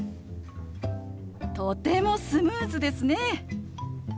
とてもスムーズですね！